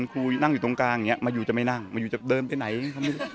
ครูนั่งอยู่ตรงกลางอย่างนี้มาอยู่จะไม่นั่งมาอยู่จะเดินไปไหน